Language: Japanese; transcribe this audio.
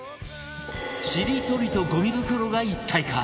ちりとりとゴミ袋が一体化！